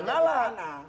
pandang padukannya di sana